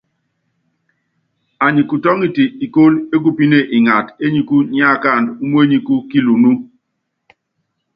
Anyi kutɔ́ŋitɛ ikóló ékupíne ngata éniku ní akáandú uményikú kilunú.